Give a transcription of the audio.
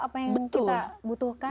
apa yang kita butuhkan